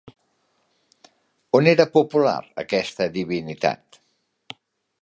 On era popular aquesta divinitat?